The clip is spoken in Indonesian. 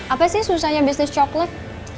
apa sih susahnya bisnis coklat